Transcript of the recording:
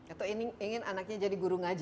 atau ingin anaknya jadi guru ngaji